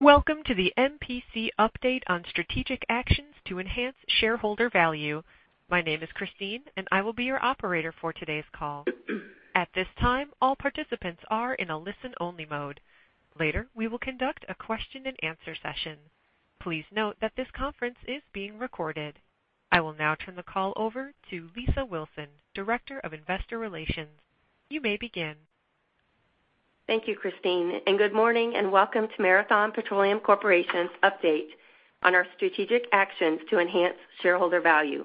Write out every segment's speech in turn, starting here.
Welcome to the MPC update on strategic actions to enhance shareholder value. My name is Christine, and I will be your operator for today's call. At this time, all participants are in a listen only mode. Later, we will conduct a question and answer session. Please note that this conference is being recorded. I will now turn the call over to Lisa Wilson, Director of Investor Relations. You may begin. Thank you, Christine, and good morning, and welcome to Marathon Petroleum Corporation's update on our strategic actions to enhance shareholder value.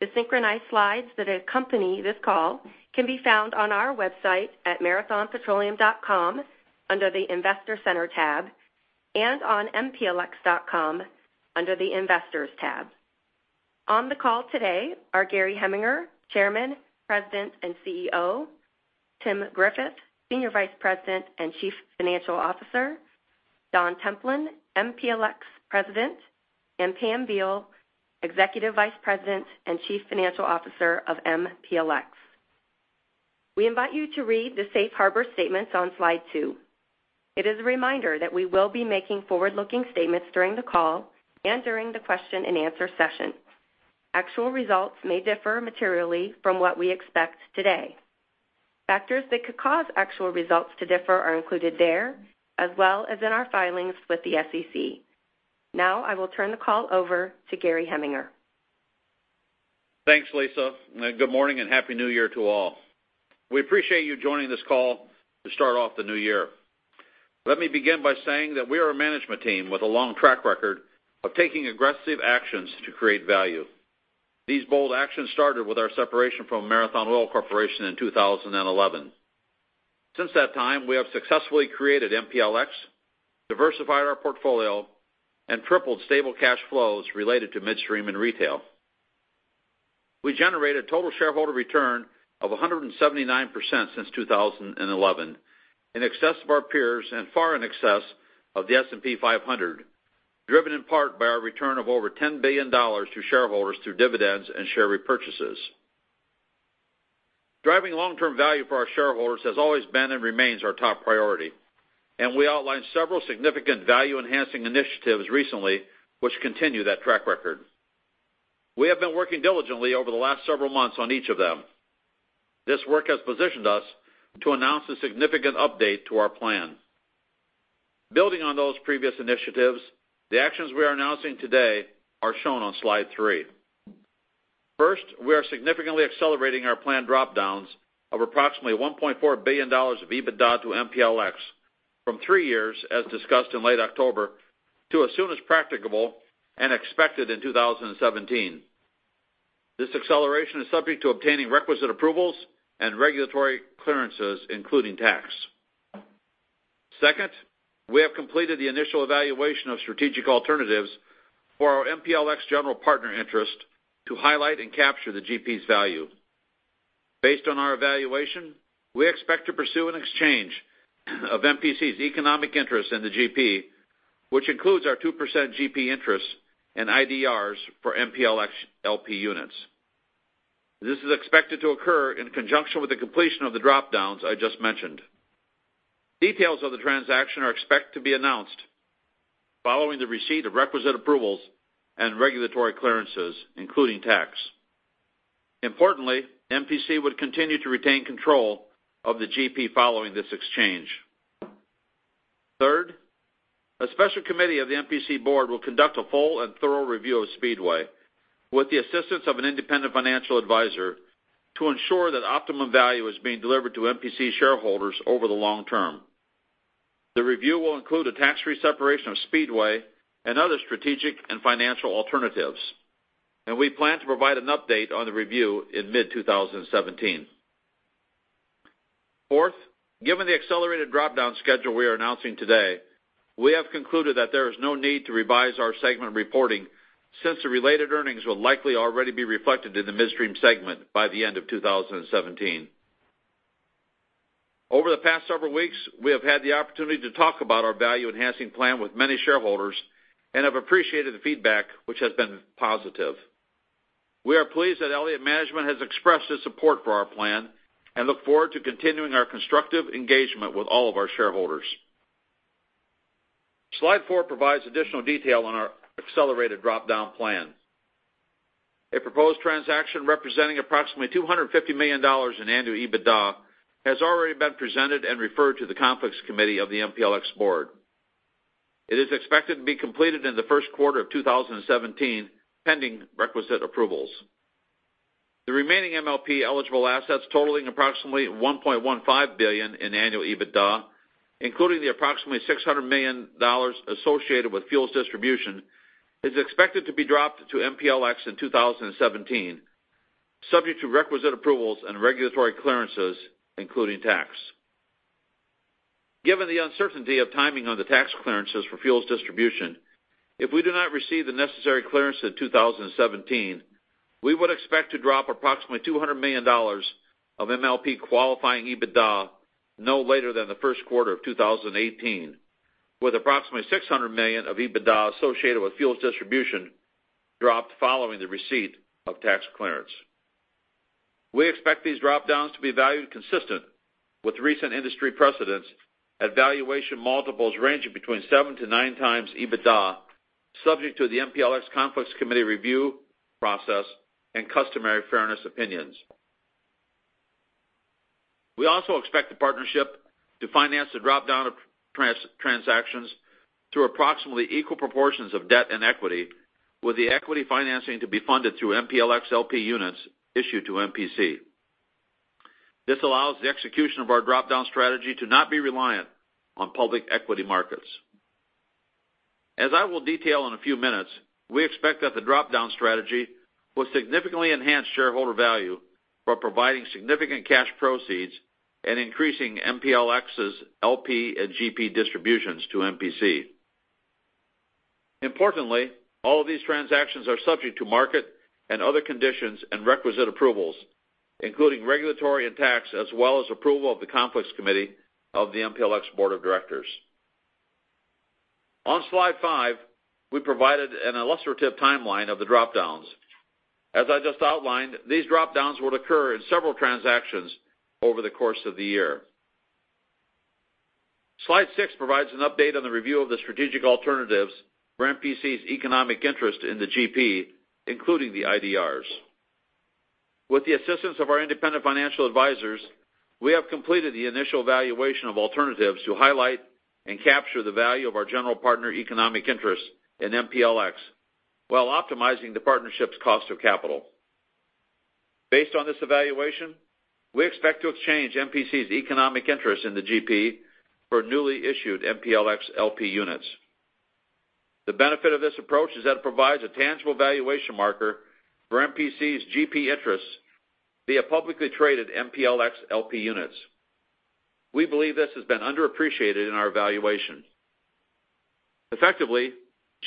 The synchronized slides that accompany this call can be found on our website at marathonpetroleum.com under the Investor Center tab and on mplx.com under the Investors tab. On the call today are Gary Heminger, Chairman, President, and CEO, Tim Griffith, Senior Vice President and Chief Financial Officer, Don Templin, MPLX President, and Pam Beall, Executive Vice President and Chief Financial Officer of MPLX. We invite you to read the safe harbor statements on slide two. It is a reminder that we will be making forward-looking statements during the call and during the question and answer session. Actual results may differ materially from what we expect today. Factors that could cause actual results to differ are included there, as well as in our filings with the SEC. Now, I will turn the call over to Gary Heminger. Thanks, Lisa. Good morning and Happy New Year to all. We appreciate you joining this call to start off the new year. Let me begin by saying that we are a management team with a long track record of taking aggressive actions to create value. These bold actions started with our separation from Marathon Oil Corporation in 2011. Since that time, we have successfully created MPLX, diversified our portfolio, and tripled stable cash flows related to midstream and retail. We generated total shareholder return of 179% since 2011, in excess of our peers and far in excess of the S&P 500, driven in part by our return of over $10 billion to shareholders through dividends and share repurchases. Driving long-term value for our shareholders has always been and remains our top priority, and we outlined several significant value-enhancing initiatives recently, which continue that track record. We have been working diligently over the last several months on each of them. This work has positioned us to announce a significant update to our plan. Building on those previous initiatives, the actions we are announcing today are shown on slide three. First, we are significantly accelerating our planned drop-downs of approximately $1.4 billion of EBITDA to MPLX from three years, as discussed in late October, to as soon as practicable and expected in 2017. This acceleration is subject to obtaining requisite approvals and regulatory clearances, including tax. Second, we have completed the initial evaluation of strategic alternatives for our MPLX general partner interest to highlight and capture the GP's value. Based on our evaluation, we expect to pursue an exchange of MPC's economic interest in the GP, which includes our 2% GP interest and IDRs for MPLX LP units. This is expected to occur in conjunction with the completion of the drop-downs I just mentioned. Details of the transaction are expected to be announced following the receipt of requisite approvals and regulatory clearances, including tax. Importantly, MPC would continue to retain control of the GP following this exchange. Third, a special committee of the MPC board will conduct a full and thorough review of Speedway with the assistance of an independent financial advisor to ensure that optimum value is being delivered to MPC shareholders over the long term. The review will include a tax-free separation of Speedway and other strategic and financial alternatives, and we plan to provide an update on the review in mid-2017. Fourth, given the accelerated drop-down schedule we are announcing today, we have concluded that there is no need to revise our segment reporting since the related earnings will likely already be reflected in the midstream segment by the end of 2017. Over the past several weeks, we have had the opportunity to talk about our value enhancing plan with many shareholders and have appreciated the feedback, which has been positive. We are pleased that Elliott Management has expressed its support for our plan and look forward to continuing our constructive engagement with all of our shareholders. Slide four provides additional detail on our accelerated drop-down plan. A proposed transaction representing approximately $250 million in annual EBITDA has already been presented and referred to the Conflicts Committee of the MPLX board. It is expected to be completed in the first quarter of 2017, pending requisite approvals. The remaining MLP eligible assets totaling approximately $1.15 billion in annual EBITDA, including the approximately $600 million associated with fuels distribution, is expected to be dropped to MPLX in 2017, subject to requisite approvals and regulatory clearances, including tax. Given the uncertainty of timing on the tax clearances for fuels distribution, if we do not receive the necessary clearance in 2017, we would expect to drop approximately $200 million of MLP qualifying EBITDA no later than the first quarter of 2018, with approximately $600 million of EBITDA associated with fuels distribution dropped following the receipt of tax clearance. We expect these drop-downs to be valued consistent with recent industry precedents at valuation multiples ranging between seven to nine times EBITDA, subject to the MPLX Conflicts Committee review process and customary fairness opinions. We also expect the partnership to finance the drop-down of transactions through approximately equal proportions of debt and equity, with the equity financing to be funded through MPLX LP units issued to MPC. This allows the execution of our drop-down strategy to not be reliant on public equity markets. As I will detail in a few minutes, we expect that the drop-down strategy will significantly enhance shareholder value by providing significant cash proceeds and increasing MPLX's LP and GP distributions to MPC. Importantly, all of these transactions are subject to market and other conditions and requisite approvals, including regulatory and tax, as well as approval of the Conflicts Committee of the MPLX Board of Directors. On slide five, we provided an illustrative timeline of the drop-downs. As I just outlined, these drop-downs would occur in several transactions over the course of the year. Slide six provides an update on the review of the strategic alternatives for MPC's economic interest in the GP, including the IDRs. With the assistance of our independent financial advisors, we have completed the initial evaluation of alternatives to highlight and capture the value of our general partner economic interest in MPLX while optimizing the partnership's cost of capital. Based on this evaluation, we expect to exchange MPC's economic interest in the GP for newly issued MPLX LP units. The benefit of this approach is that it provides a tangible valuation marker for MPC's GP interests via publicly traded MPLX LP units. We believe this has been underappreciated in our evaluation. Effectively,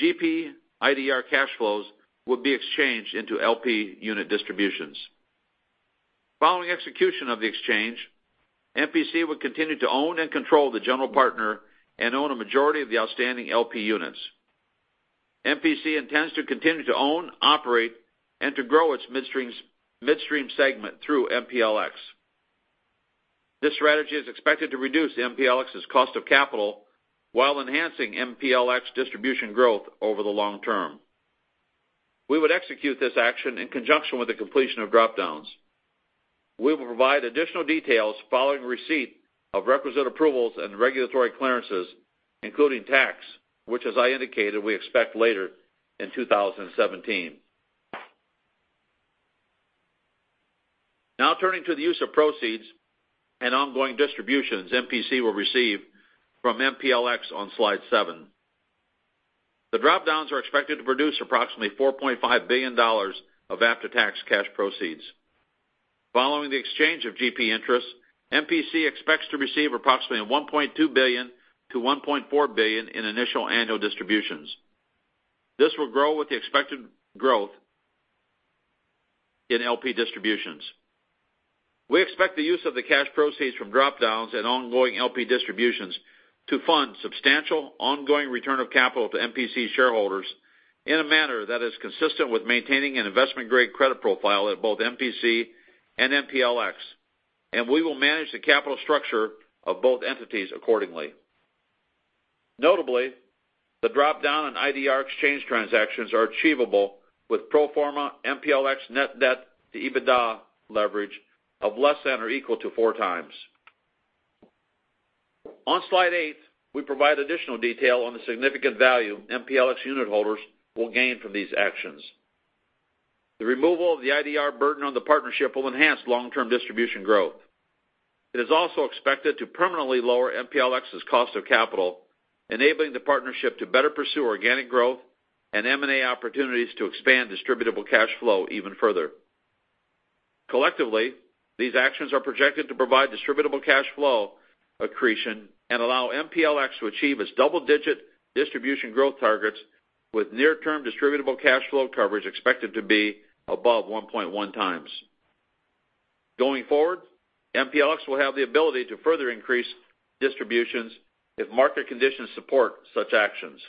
GP IDR cash flows would be exchanged into LP unit distributions. Following execution of the exchange, MPC would continue to own and control the general partner and own a majority of the outstanding LP units. MPC intends to continue to own, operate, and to grow its midstream segment through MPLX. This strategy is expected to reduce MPLX's cost of capital while enhancing MPLX distribution growth over the long term. We would execute this action in conjunction with the completion of drop-downs. We will provide additional details following receipt of requisite approvals and regulatory clearances, including tax, which as I indicated, we expect later in 2017. Now turning to the use of proceeds and ongoing distributions MPC will receive from MPLX on slide seven. The drop-downs are expected to produce approximately $4.5 billion of after-tax cash proceeds. Following the exchange of GP interests, MPC expects to receive approximately $1.2 billion-$1.4 billion in initial annual distributions. This will grow with the expected growth in LP distributions. We expect the use of the cash proceeds from drop-downs and ongoing LP distributions to fund substantial ongoing return of capital to MPC shareholders in a manner that is consistent with maintaining an investment-grade credit profile at both MPC and MPLX, and we will manage the capital structure of both entities accordingly. Notably, the drop-down and IDR exchange transactions are achievable with pro forma MPLX net debt to EBITDA leverage of less than or equal to 4x. On slide eight, we provide additional detail on the significant value MPLX unit holders will gain from these actions. The removal of the IDR burden on the partnership will enhance long-term distribution growth. It is also expected to permanently lower MPLX's cost of capital, enabling the partnership to better pursue organic growth and M&A opportunities to expand distributable cash flow even further. Collectively, these actions are projected to provide distributable cash flow accretion and allow MPLX to achieve its double-digit distribution growth targets with near-term distributable cash flow coverage expected to be above 1.1 times. Going forward, MPLX will have the ability to further increase distributions if market conditions support such actions.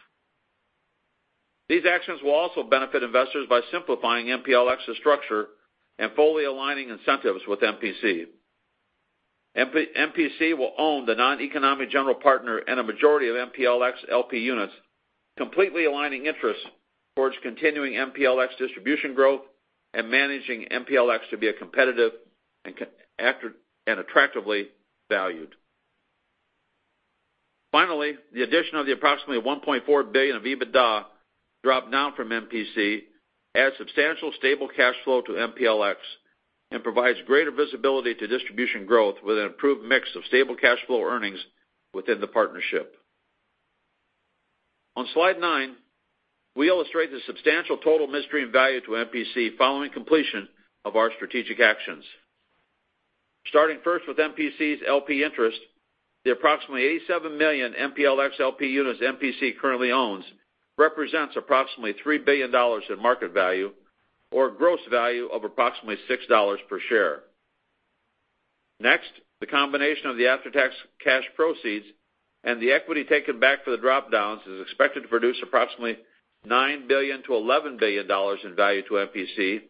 These actions will also benefit investors by simplifying MPLX's structure and fully aligning incentives with MPC. MPC will own the non-economic general partner and a majority of MPLX LP units, completely aligning interests towards continuing MPLX distribution growth and managing MPLX to be competitive and attractively valued. Finally, the addition of the approximately $1.4 billion of EBITDA drop down from MPC adds substantial stable cash flow to MPLX and provides greater visibility to distribution growth with an improved mix of stable cash flow earnings within the partnership. On slide nine, we illustrate the substantial total midstream value to MPC following completion of our strategic actions. Starting first with MPC's LP interest, the approximately 87 million MPLX LP units MPC currently owns represents approximately $3 billion in market value or gross value of approximately $6 per share. Next, the combination of the after-tax cash proceeds and the equity taken back for the drop-downs is expected to produce approximately $9 billion-$11 billion in value to MPC,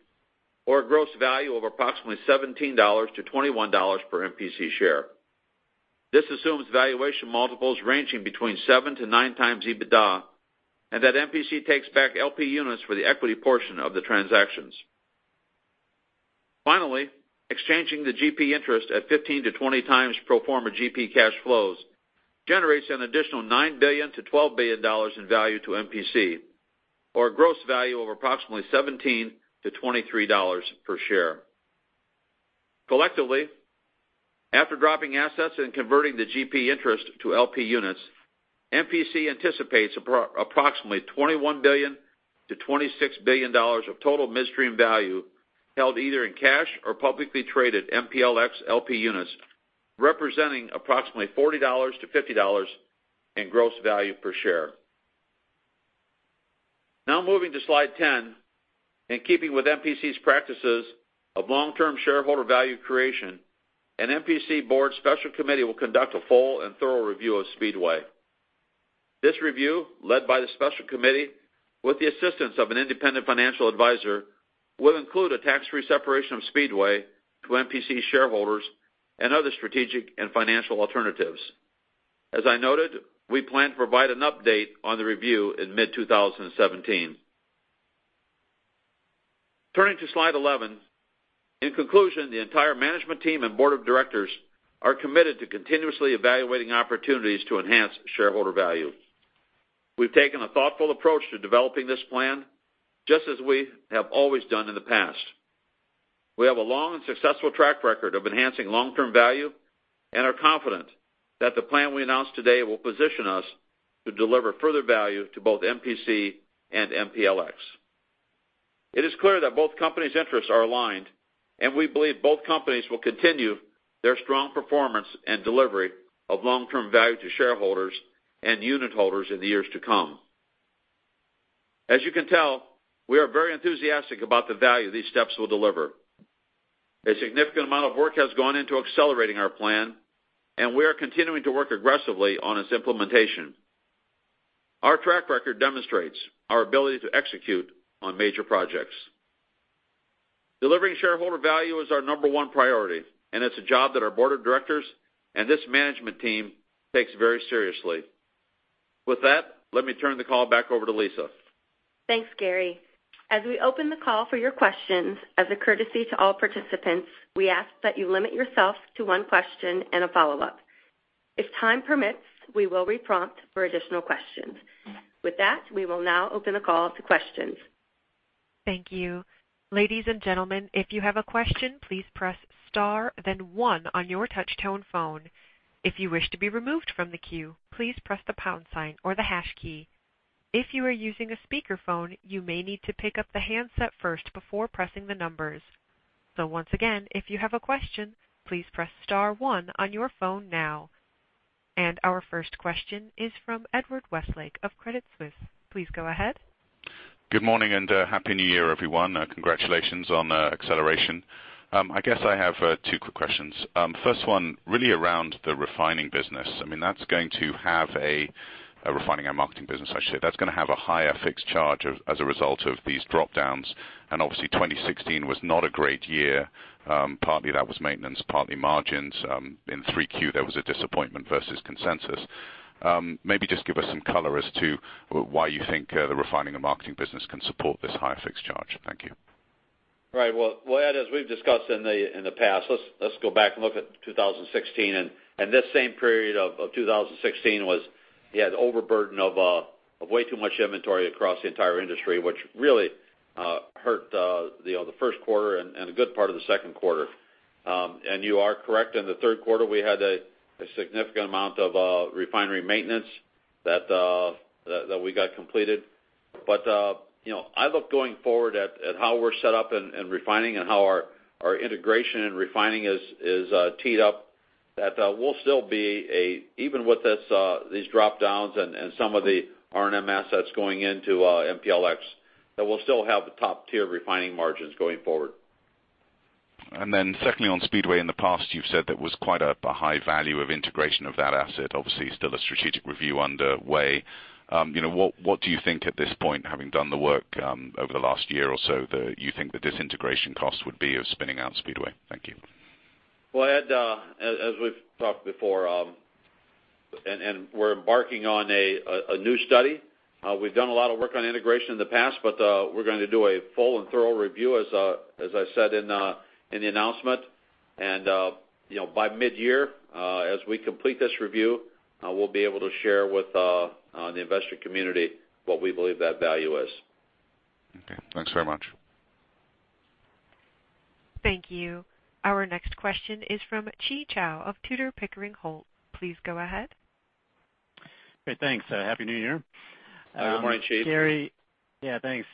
or a gross value of approximately $17-$21 per MPC share. This assumes valuation multiples ranging between seven to nine times EBITDA, and that MPC takes back LP units for the equity portion of the transactions. Finally, exchanging the GP interest at 15-20 times pro forma GP cash flows generates an additional $9 billion-$12 billion in value to MPC, or a gross value of approximately $17-$23 per share. Collectively, after dropping assets and converting the GP interest to LP units, MPC anticipates approximately $21 billion-$26 billion of total midstream value held either in cash or publicly traded MPLX LP units, representing approximately $40-$50 in gross value per share. Moving to slide 10, in keeping with MPC's practices of long-term shareholder value creation, an MPC board special committee will conduct a full and thorough review of Speedway. This review, led by the special committee with the assistance of an independent financial advisor, will include a tax-free separation of Speedway to MPC shareholders and other strategic and financial alternatives. As I noted, we plan to provide an update on the review in mid-2017. Turning to slide 11, in conclusion, the entire management team and board of directors are committed to continuously evaluating opportunities to enhance shareholder value. We've taken a thoughtful approach to developing this plan, just as we have always done in the past. We have a long and successful track record of enhancing long-term value and are confident that the plan we announced today will position us to deliver further value to both MPC and MPLX. It is clear that both companies' interests are aligned, and we believe both companies will continue their strong performance and delivery of long-term value to shareholders and unit holders in the years to come. As you can tell, we are very enthusiastic about the value these steps will deliver. A significant amount of work has gone into accelerating our plan, and we are continuing to work aggressively on its implementation. Our track record demonstrates our ability to execute on major projects. Delivering shareholder value is our number one priority, and it's a job that our board of directors and this management team takes very seriously. With that, let me turn the call back over to Lisa. Thanks, Gary. As we open the call for your questions, as a courtesy to all participants, we ask that you limit yourself to one question and a follow-up. If time permits, we will re-prompt for additional questions. With that, we will now open the call to questions. Thank you. Ladies and gentlemen, if you have a question, please press star then one on your touch-tone phone. If you wish to be removed from the queue, please press the pound sign or the hash key. If you are using a speakerphone, you may need to pick up the handset first before pressing the numbers. Once again, if you have a question, please press star one on your phone now. Our first question is from Edward Westlake of Credit Suisse. Please go ahead. Good morning. Happy New Year, everyone. Congratulations on the acceleration. I have two quick questions. First one, really around the Refining business. Refining and Marketing business, I should say. That's going to have a higher fixed charge as a result of these drop-downs, and obviously 2016 was not a great year. Partly that was maintenance, partly margins. In 3Q, there was a disappointment versus consensus. Maybe just give us some color as to why you think the Refining and Marketing business can support this higher fixed charge. Thank you. Well, Ed, as we've discussed in the past, let's go back and look at 2016. This same period of 2016, you had overburden of way too much inventory across the entire industry, which really hurt the first quarter and a good part of the second quarter. You are correct, in the third quarter, we had a significant amount of refinery maintenance that we got completed. I look going forward at how we're set up in refining and how our integration and refining is teed up, that we'll still be a even with these drop-downs and some of the R&M assets going into MPLX, that we'll still have the top tier refining margins going forward. Secondly, on Speedway, in the past, you've said there was quite a high value of integration of that asset. Obviously, still a strategic review underway. What do you think at this point, having done the work over the last year or so, you think the disintegration cost would be of spinning out Speedway? Thank you. Well, Ed, as we've talked before, we're embarking on a new study. We've done a lot of work on integration in the past, we're going to do a full and thorough review, as I said in the announcement. By mid-year, as we complete this review, we'll be able to share with the investor community what we believe that value is. Okay, thanks very much. Thank you. Our next question is from Chi Chow of Tudor, Pickering, Holt. Please go ahead. Great, thanks. Happy New Year. Good morning, Chi. Gary. Yeah, thanks.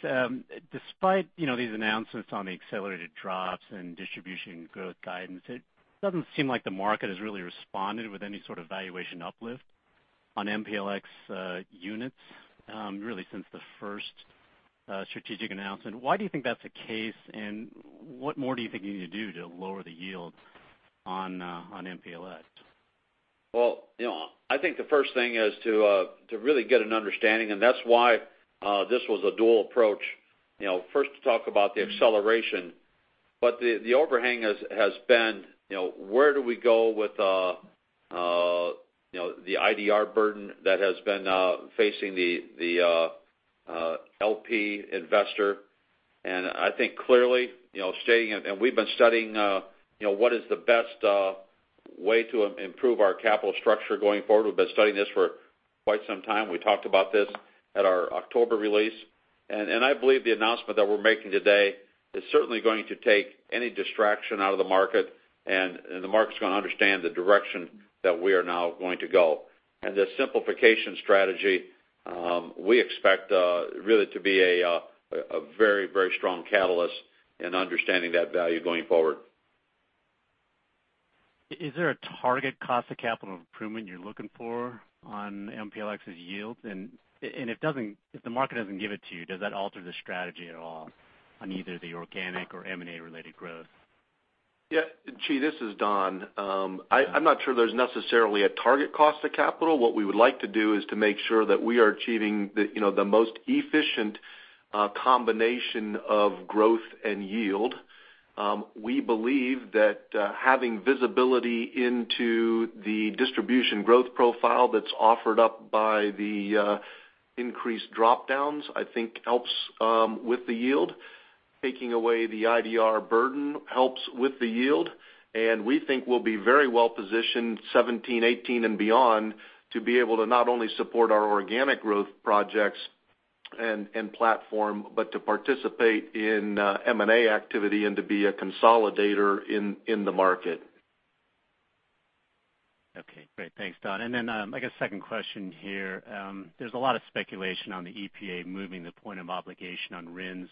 Despite these announcements on the accelerated drops and distribution growth guidance, it doesn't seem like the market has really responded with any sort of valuation uplift. On MPLX units, really since the first strategic announcement. Why do you think that's the case, and what more do you think you need to do to lower the yield on MPLX? Well, I think the first thing is to really get an understanding. That's why this was a dual approach. First to talk about the acceleration, the overhang has been, where do we go with the IDR burden that has been facing the LP investor. I think clearly, we've been studying what is the best way to improve our capital structure going forward. We've been studying this for quite some time. We talked about this at our October release. I believe the announcement that we're making today is certainly going to take any distraction out of the market, and the market's going to understand the direction that we are now going to go. The simplification strategy, we expect really to be a very strong catalyst in understanding that value going forward. Is there a target cost of capital improvement you're looking for on MPLX's yields? If the market doesn't give it to you, does that alter the strategy at all on either the organic or M&A related growth? Yeah. Chi, this is Don. I'm not sure there's necessarily a target cost of capital. What we would like to do is to make sure that we are achieving the most efficient combination of growth and yield. We believe that having visibility into the distribution growth profile that's offered up by the increased drop-downs, I think helps with the yield. Taking away the IDR burden helps with the yield. We think we'll be very well positioned 2017, 2018 and beyond to be able to not only support our organic growth projects and platform, but to participate in M&A activity and to be a consolidator in the market. Okay, great. Thanks, Don. Then, I guess second question here. There's a lot of speculation on the EPA moving the point of obligation on RINs.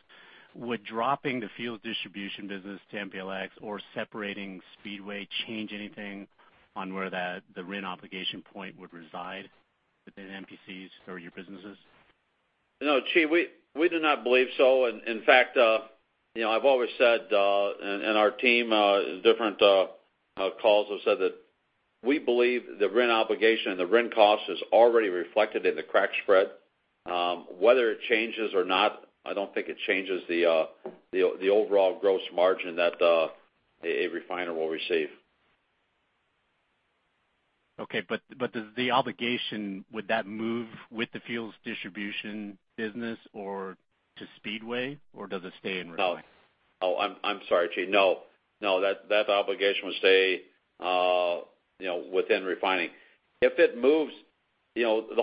Would dropping the fuels distribution business to MPLX or separating Speedway change anything on where the RIN obligation point would reside within MPC's or your businesses? No, Chi, we do not believe so. In fact, I've always said, and our team, in different calls have said that we believe the RIN obligation and the RIN cost is already reflected in the crack spread. Whether it changes or not, I don't think it changes the overall gross margin that a refiner will receive. Okay. Does the obligation, would that move with the fuels distribution business or to Speedway, or does it stay in refining? No. I'm sorry, Chi. No. That obligation would stay within refining. The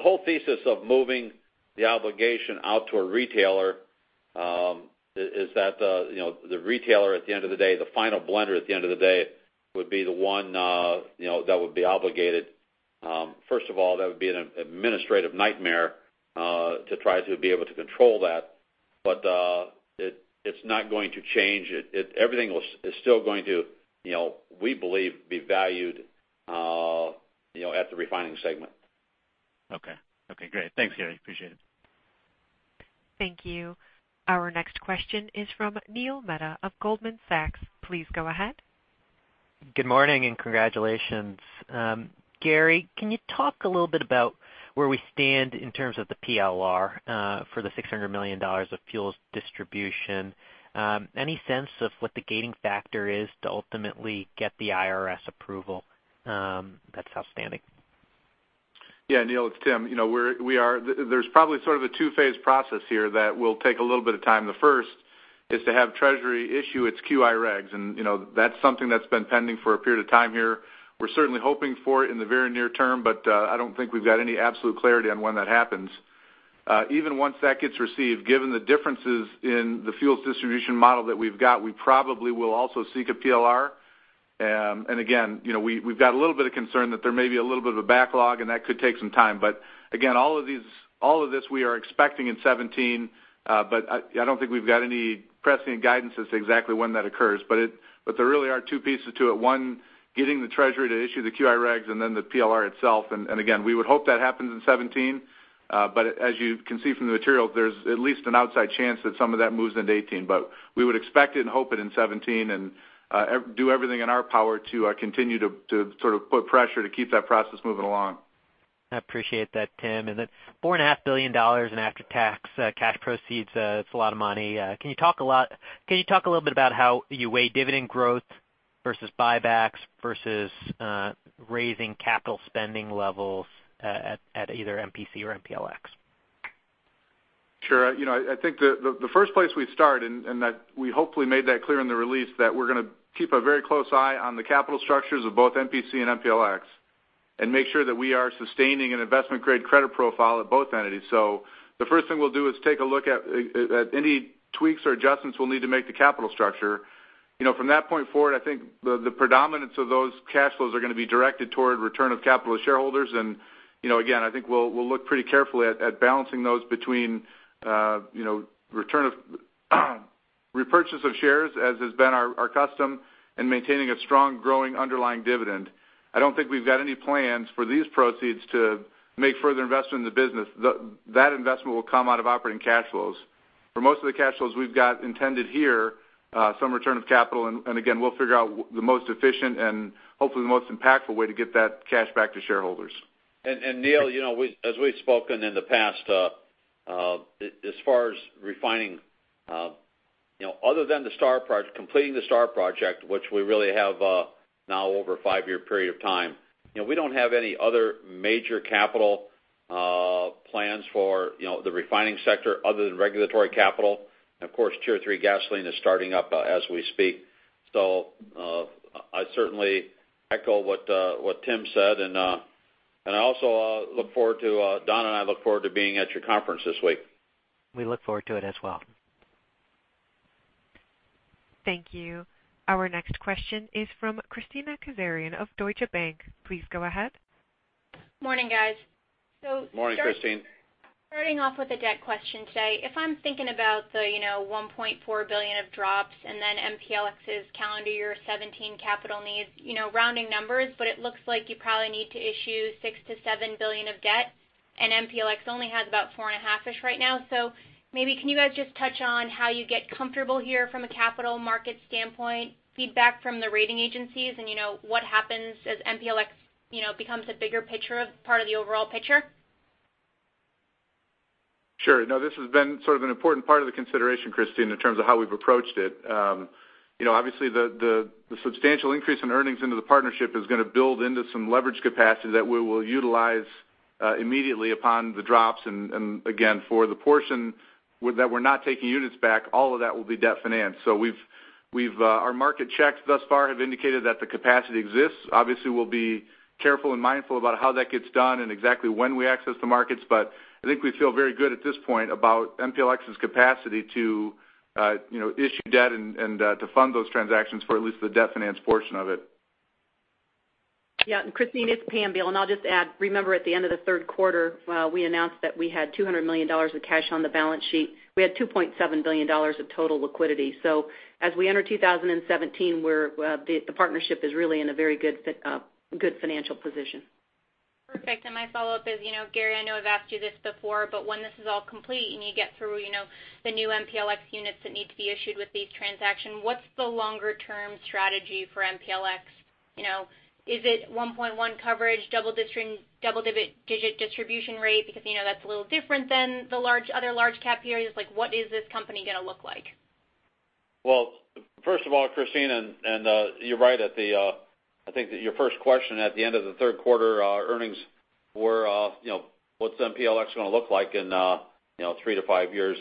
whole thesis of moving the obligation out to a retailer, is that the retailer at the end of the day, the final blender at the end of the day would be the one that would be obligated. First of all, that would be an administrative nightmare to try to be able to control that. It's not going to change it. Everything is still going to, we believe, be valued at the refining segment. Okay, great. Thanks, Gary. Appreciate it. Thank you. Our next question is from Neil Mehta of Goldman Sachs. Please go ahead. Good morning, and congratulations. Gary, can you talk a little bit about where we stand in terms of the PLR for the $600 million of fuels distribution? Any sense of what the gating factor is to ultimately get the IRS approval that's outstanding? Yeah, Neil, it's Tim. There's probably sort of a two-phase process here that will take a little bit of time. The first is to have Treasury issue its QI regs, and that's something that's been pending for a period of time here. We're certainly hoping for it in the very near term, but I don't think we've got any absolute clarity on when that happens. Even once that gets received, given the differences in the fuels distribution model that we've got, we probably will also seek a PLR. Again, we've got a little bit of concern that there may be a little bit of a backlog, and that could take some time. Again, all of this we are expecting in 2017. I don't think we've got any prescient guidance as to exactly when that occurs. There really are two pieces to it. One, getting the Treasury to issue the QI regs, and then the PLR itself. Again, we would hope that happens in 2017. As you can see from the materials, there's at least an outside chance that some of that moves into 2018. We would expect it and hope it in 2017, and do everything in our power to continue to sort of put pressure to keep that process moving along. I appreciate that, Tim. The $4.5 billion in after-tax cash proceeds, it's a lot of money. Can you talk a little bit about how you weigh dividend growth versus buybacks versus raising capital spending levels at either MPC or MPLX? Sure. I think the first place we'd start, that we hopefully made that clear in the release, that we're going to keep a very close eye on the capital structures of both MPC and MPLX and make sure that we are sustaining an investment grade credit profile at both entities. The first thing we'll do is take a look at any tweaks or adjustments we'll need to make to capital structure. From that point forward, I think the predominance of those cash flows are going to be directed toward return of capital to shareholders. Again, I think we'll look pretty carefully at balancing those between Repurchase of shares as has been our custom in maintaining a strong growing underlying dividend. I don't think we've got any plans for these proceeds to make further investment in the business. That investment will come out of operating cash flows. For most of the cash flows we've got intended here, some return of capital, again, we'll figure out the most efficient and hopefully the most impactful way to get that cash back to shareholders. Neil, as we've spoken in the past, as far as refining, other than completing the STAR project, which we really have now over a five-year period of time, we don't have any other major capital plans for the refining sector other than regulatory capital. Of course, Tier 3 gasoline is starting up as we speak. I certainly echo what Tim said, Don and I look forward to being at your conference this week. We look forward to it as well. Thank you. Our next question is from Kristina Kazarian of Deutsche Bank. Please go ahead. Morning, guys. Morning, Kristina. Starting off with a debt question today. If I'm thinking about the $1.4 billion of drops and then MPLX's calendar year 2017 capital needs, rounding numbers, but it looks like you probably need to issue $6 billion-$7 billion of debt, and MPLX only has about $4.5 billion-ish right now. Maybe can you guys just touch on how you get comfortable here from a capital market standpoint, feedback from the rating agencies, and what happens as MPLX becomes a bigger part of the overall picture? Sure. This has been sort of an important part of the consideration, Christine, in terms of how we've approached it. Obviously, the substantial increase in earnings into the partnership is going to build into some leverage capacity that we will utilize immediately upon the drops. Again, for the portion that we're not taking units back, all of that will be debt financed. Our market checks thus far have indicated that the capacity exists. Obviously, we'll be careful and mindful about how that gets done and exactly when we access the markets. I think we feel very good at this point about MPLX's capacity to issue debt and to fund those transactions for at least the debt finance portion of it. Yeah. Christine, it's Pam Beall, and I'll just add, remember at the end of the 3rd quarter, we announced that we had $200 million of cash on the balance sheet. We had $2.7 billion of total liquidity. As we enter 2017, the partnership is really in a very good financial position. Perfect. My follow-up is, Gary, I know I've asked you this before, when this is all complete and you get through the new MPLX units that need to be issued with these transactions, what's the longer-term strategy for MPLX? Is it 1.1 coverage, double-digit distribution rate? That's a little different than the other large cap areas. What is this company going to look like? First of all, Christine, you're right at the. I think that your first question at the end of the third quarter earnings were what's MPLX going to look like in 3 to 5 years?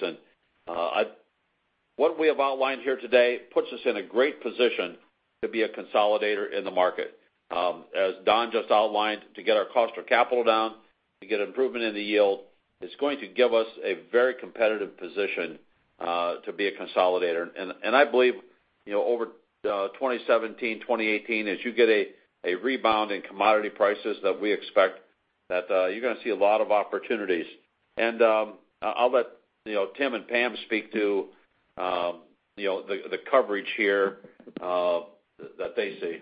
What we have outlined here today puts us in a great position to be a consolidator in the market. As Don just outlined, to get our cost of capital down, to get improvement in the yield, it's going to give us a very competitive position to be a consolidator. I believe over 2017, 2018, as you get a rebound in commodity prices that we expect, that you're going to see a lot of opportunities. I'll let Tim and Pam speak to the coverage here that they see.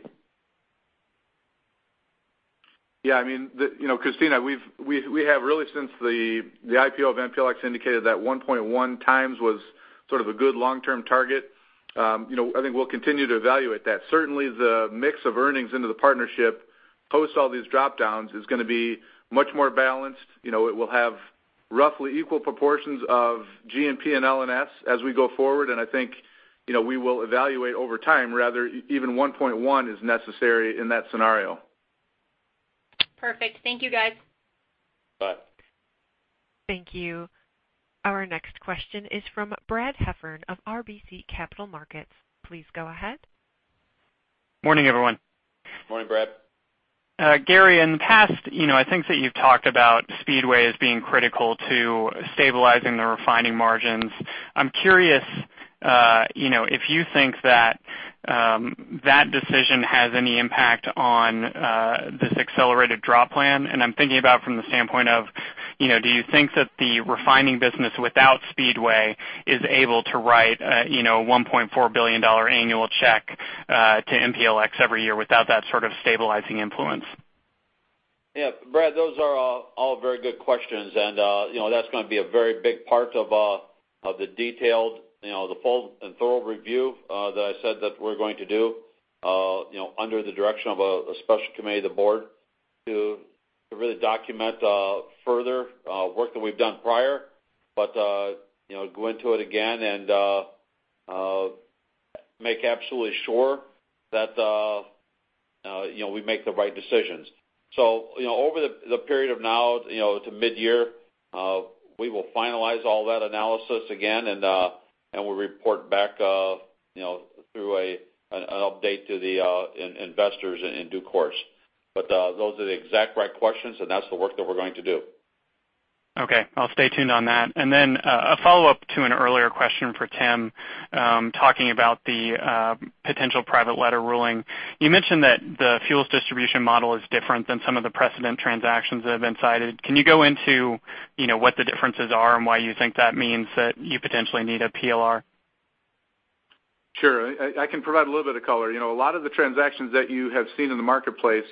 Christine, we have really since the IPO of MPLX indicated that 1.1 times was sort of a good long-term target. I think we'll continue to evaluate that. Certainly, the mix of earnings into the partnership post all these drop-downs is going to be much more balanced. It will have roughly equal proportions of G&P and L&S as we go forward. I think we will evaluate over time whether even 1.1 is necessary in that scenario. Perfect. Thank you, guys. Bye. Thank you. Our next question is from Brad Heffern of RBC Capital Markets. Please go ahead. Morning, everyone. Morning, Brad. Gary, in the past, I think that you've talked about Speedway as being critical to stabilizing the refining margins. I'm curious if you think that that decision has any impact on this accelerated drop plan, and I'm thinking about from the standpoint of, do you think that the refining business without Speedway is able to write a $1.4 billion annual check to MPLX every year without that sort of stabilizing influence? Yeah, Brad, those are all very good questions, and that's going to be a very big part of the detailed, the full and thorough review that I said that we're going to do under the direction of a special committee of the board to really document further work that we've done prior, but go into it again and make absolutely sure that we make the right decisions. Over the period of now to mid-year, we will finalize all that analysis again, and we'll report back through an update to the investors in due course. Those are the exact right questions, and that's the work that we're going to do. Okay. I'll stay tuned on that. Then a follow-up to an earlier question for Tim, talking about the potential private letter ruling. You mentioned that the fuels distribution model is different than some of the precedent transactions that have been cited. Can you go into what the differences are and why you think that means that you potentially need a PLR? Sure. I can provide a little bit of color. A lot of the transactions that you have seen in the marketplace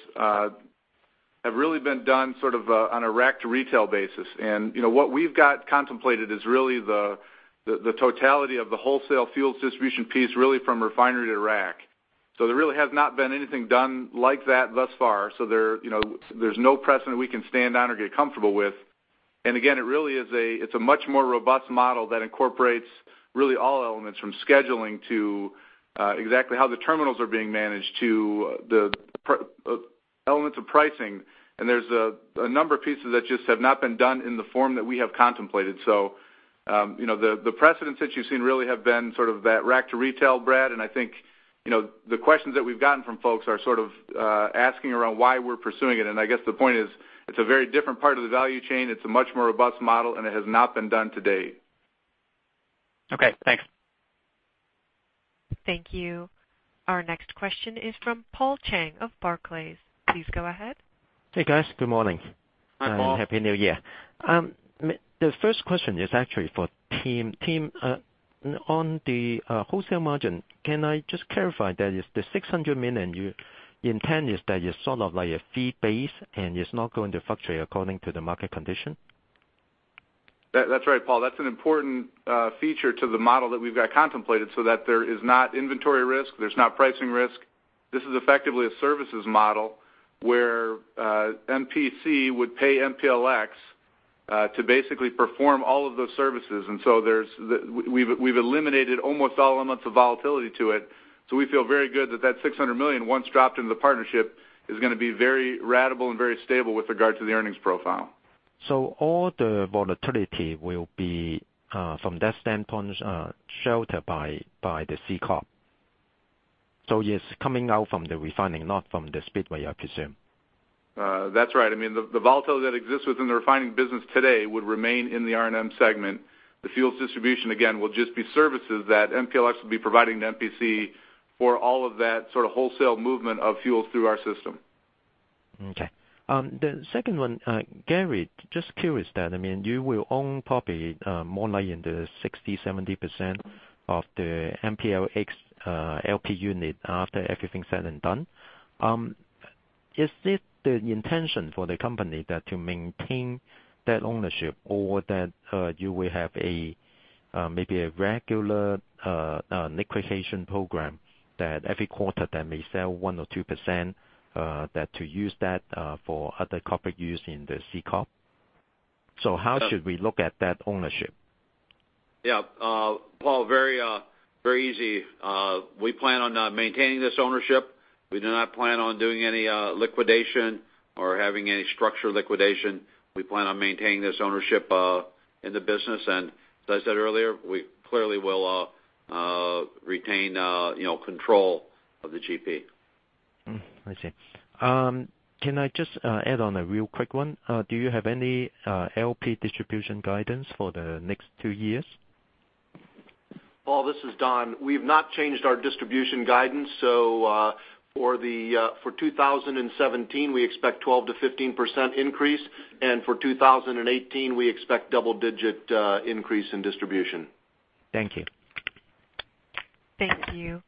have really been done sort of on a rack to retail basis. What we've got contemplated is really the totality of the wholesale fuels distribution piece, really from refinery to rack. There really has not been anything done like that thus far. There's no precedent we can stand on or get comfortable with. Again, it really is a much more robust model that incorporates really all elements from scheduling to exactly how the terminals are being managed to the elements of pricing. There's a number of pieces that just have not been done in the form that we have contemplated. The precedents that you've seen really have been sort of that rack to retail, Brad, I think, the questions that we've gotten from folks are sort of asking around why we're pursuing it. I guess the point is, it's a very different part of the value chain. It's a much more robust model, it has not been done to date. Okay, thanks. Thank you. Our next question is from Paul Cheng of Barclays. Please go ahead. Hey, guys. Good morning. Hi, Paul. Happy New Year. The first question is actually for Tim. Tim, on the wholesale margin, can I just clarify that the $600 million you intend is that you're sort of like a fee base and it's not going to fluctuate according to the market condition? That's right, Paul. That's an important feature to the model that we've got contemplated so that there is not inventory risk, there's not pricing risk. This is effectively a services model where MPC would pay MPLX to basically perform all of those services. We've eliminated almost all elements of volatility to it. We feel very good that that $600 million, once dropped into the partnership, is going to be very ratable and very stable with regard to the earnings profile. All the volatility will be, from that standpoint, sheltered by the C Corp. It's coming out from the refining, not from the Speedway, I presume. That's right. I mean, the volatility that exists within the refining business today would remain in the R&M segment. The fuels distribution, again, will just be services that MPLX will be providing to MPC for all of that sort of wholesale movement of fuels through our system. Okay. The second one, Gary, just curious that, you will own probably more like in the 60%-70% of the MPLX LP unit after everything is said and done. Is it the intention for the company that to maintain that ownership or that you will have maybe a regular liquidation program that every quarter they may sell 1%-2%, that to use that for other corporate use in the C Corp? How should we look at that ownership? Paul, very easy. We plan on maintaining this ownership. We do not plan on doing any liquidation or having any structured liquidation. We plan on maintaining this ownership in the business. As I said earlier, we clearly will retain control of the GP. I see. Can I just add on a real quick one? Do you have any LP distribution guidance for the next two years? Paul, this is Don. We've not changed our distribution guidance. For 2017, we expect 12%-15% increase, for 2018, we expect double-digit increase in distribution. Thank you. Thank you.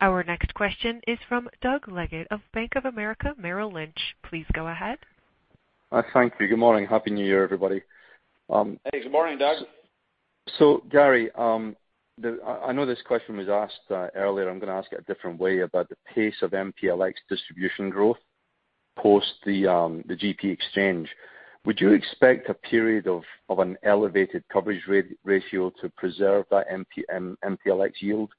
Our next question is from Doug Leggate of Bank of America Merrill Lynch. Please go ahead. Thank you. Good morning. Happy New Year, everybody. Hey, good morning, Doug. Gary, I know this question was asked earlier, I'm going to ask it a different way about the pace of MPLX distribution growth post the GP exchange. Would you expect a period of an elevated coverage ratio to preserve that MPLX yield,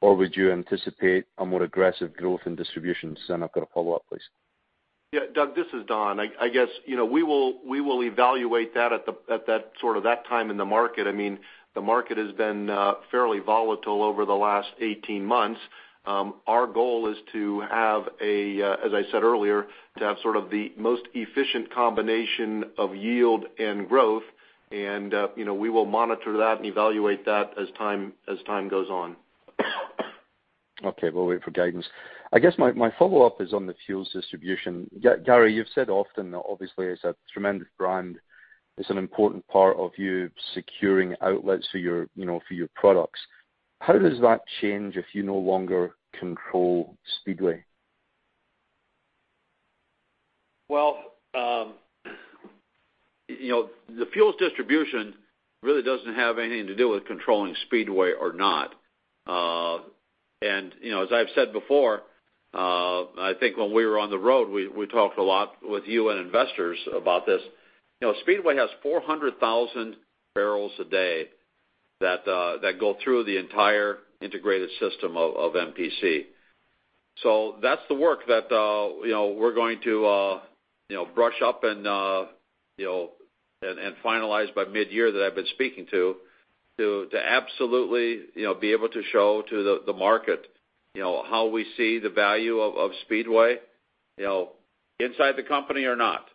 or would you anticipate a more aggressive growth in distributions? I've got a follow-up, please. Yeah. Doug, this is Don. I guess, we will evaluate that at that sort of that time in the market. I mean, the market has been fairly volatile over the last 18 months. Our goal is to have a, as I said earlier, to have sort of the most efficient combination of yield and growth. We will monitor that and evaluate that as time goes on. Okay. We'll wait for guidance. I guess my follow-up is on the fuels distribution. Gary, you've said often, obviously, it's a tremendous brand. It's an important part of you securing outlets for your products. How does that change if you no longer control Speedway? Well, the fuels distribution really doesn't have anything to do with controlling Speedway or not. As I've said before, I think when we were on the road, we talked a lot with you and investors about this. Speedway has 400,000 barrels a day that go through the entire integrated system of MPC. That's the work that we're going to brush up and finalize by mid-year that I've been speaking to absolutely be able to show to the market how we see the value of Speedway, inside the company or not.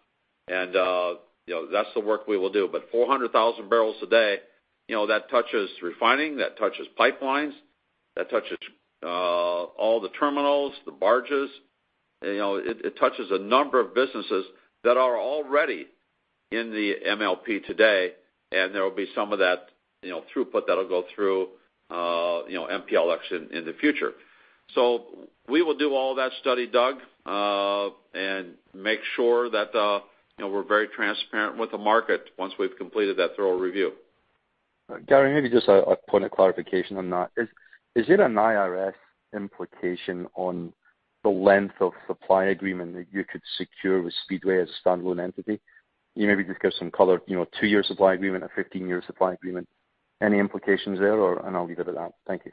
That's the work we will do. 400,000 barrels a day, that touches refining, that touches pipelines, that touches All the terminals, the barges. It touches a number of businesses that are already in the MLP today, and there will be some of that throughput that'll go through MPLX in the future. We will do all of that study, Doug, and make sure that we're very transparent with the market once we've completed that thorough review. Gary, maybe just a point of clarification on that. Is it an IRS implication on the length of supply agreement that you could secure with Speedway as a standalone entity? Maybe just give some color, two-year supply agreement, a 15-year supply agreement, any implications there? I'll leave it at that. Thank you.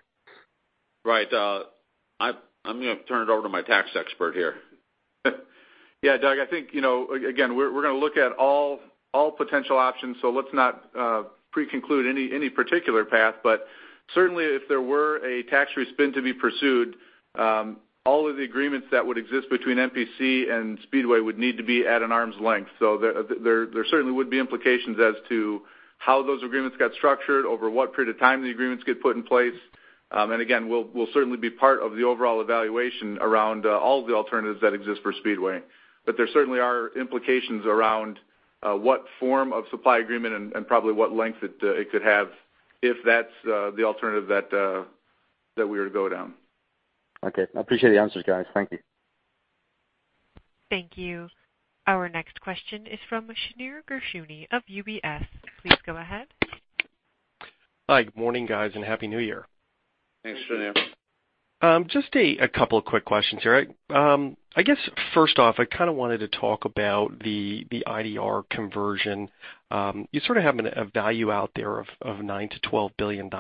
Right. I'm going to turn it over to my tax expert here. Doug, I think, again, we're going to look at all potential options, let's not pre-conclude any particular path. Certainly if there were a tax-free spin to be pursued, all of the agreements that would exist between MPC and Speedway would need to be at an arm's length. There certainly would be implications as to how those agreements got structured, over what period of time the agreements get put in place. Again, will certainly be part of the overall evaluation around all of the alternatives that exist for Speedway. There certainly are implications around what form of supply agreement and probably what length it could have if that's the alternative that we were to go down. I appreciate the answers, guys. Thank you. Thank you. Our next question is from Shneur Gershuni of UBS. Please go ahead. Hi, good morning, guys, and happy New Year. Thanks, Shneur. Thanks. Just a couple of quick questions here. I guess first off, I kind of wanted to talk about the IDR conversion. You sort of have a value out there of $9 billion-$12 billion.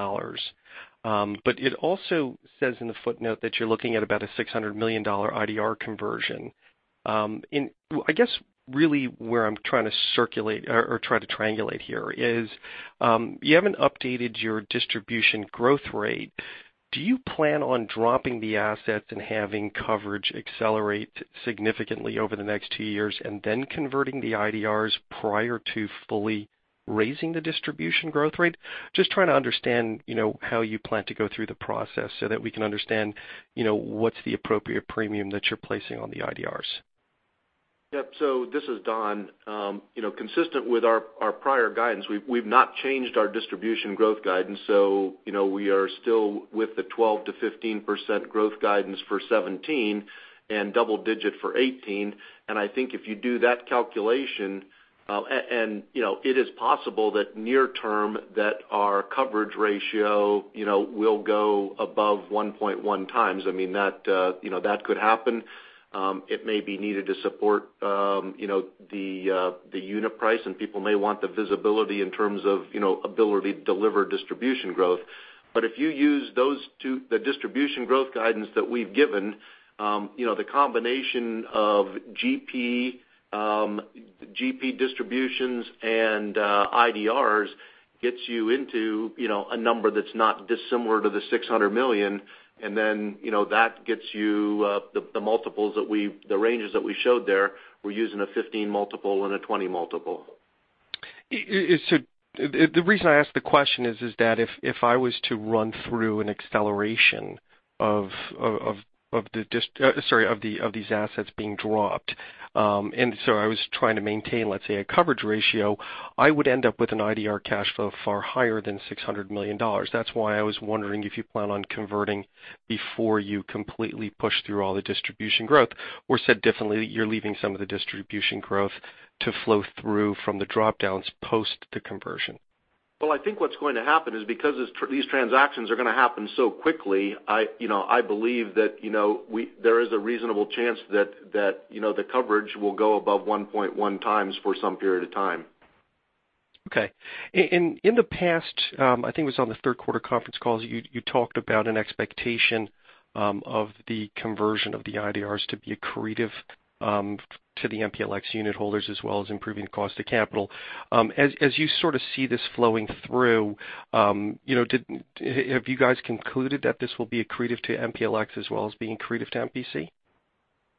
It also says in the footnote that you're looking at about a $600 million IDR conversion. I guess really where I'm trying to triangulate here is, you haven't updated your distribution growth rate. Do you plan on dropping the assets and having coverage accelerate significantly over the next 2 years, and then converting the IDRs prior to fully raising the distribution growth rate? Just trying to understand how you plan to go through the process so that we can understand what's the appropriate premium that you're placing on the IDRs. Yep. This is Don. Consistent with our prior guidance, we've not changed our distribution growth guidance. We are still with the 12%-15% growth guidance for 2017, and double digit for 2018. I think if you do that calculation. It is possible that near term that our coverage ratio will go above 1.1 times. That could happen. It may be needed to support the unit price, and people may want the visibility in terms of ability to deliver distribution growth. If you use the distribution growth guidance that we've given, the combination of GP distributions and IDRs gets you into a number that's not dissimilar to the $600 million. That gets you the ranges that we showed there. We're using a 15 multiple and a 20 multiple. The reason I ask the question is that if I was to run through an acceleration of these assets being dropped, I was trying to maintain, let's say, a coverage ratio, I would end up with an IDR cash flow far higher than $600 million. That's why I was wondering if you plan on converting before you completely push through all the distribution growth. Said differently, you're leaving some of the distribution growth to flow through from the drop-downs post the conversion. I think what's going to happen is because these transactions are going to happen so quickly, I believe that there is a reasonable chance that the coverage will go above 1.1 times for some period of time. Okay. In the past, I think it was on the third quarter conference calls, you talked about an expectation of the conversion of the IDRs to be accretive to the MPLX unit holders as well as improving cost of capital. As you sort of see this flowing through, have you guys concluded that this will be accretive to MPLX as well as being accretive to MPC?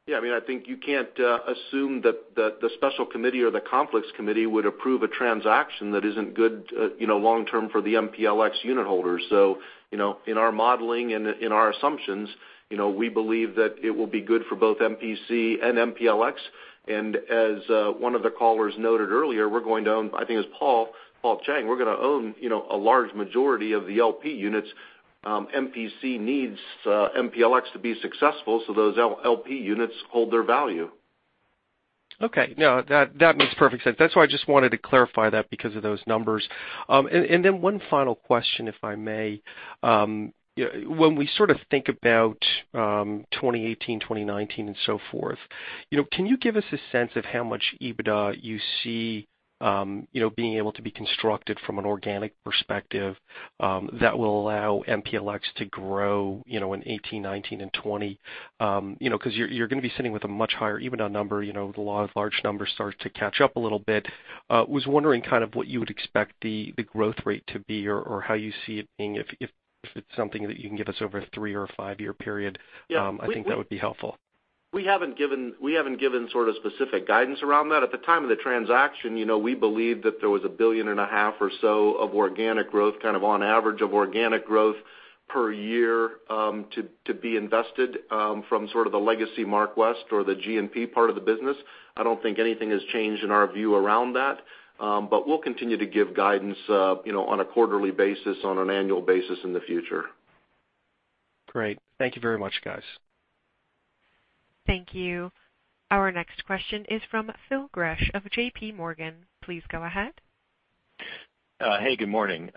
Yeah. I think you can't assume that the special committee or the Conflicts Committee would approve a transaction that isn't good long-term for the MPLX unit holders. In our modeling and in our assumptions, we believe that it will be good for both MPC and MPLX. As one of the callers noted earlier, I think it was Paul Cheng, we're going to own a large majority of the LP units. MPC needs MPLX to be successful, so those LP units hold their value. Okay. No, that makes perfect sense. That's why I just wanted to clarify that because of those numbers. One final question, if I may. When we sort of think about 2018, 2019, and so forth, can you give us a sense of how much EBITDA you see being able to be constructed from an organic perspective that will allow MPLX to grow in 2018, 2019, and 2020? You're going to be sitting with a much higher EBITDA number. The large numbers start to catch up a little bit. Was wondering kind of what you would expect the growth rate to be, or how you see it being, if it's something that you can give us over a three or a five-year period. I think that would be helpful. We haven't given specific guidance around that. At the time of the transaction, we believed that there was a billion and a half or so of organic growth, kind of on average, of organic growth per year, to be invested from sort of the legacy MarkWest or the G&P part of the business. I don't think anything has changed in our view around that. We'll continue to give guidance, on a quarterly basis, on an annual basis in the future. Great. Thank you very much, guys. Thank you. Our next question is from Phil Gresh of JP Morgan. Please go ahead. Hey, good morning.